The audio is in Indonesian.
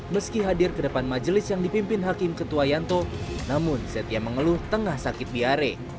meski hadir ke depan majelis yang dipimpin hakim ketua yanto namun setia mengeluh tengah sakit biare